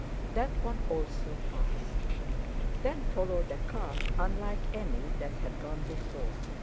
That one also passed. Then followed a cart unlike any that had gone before.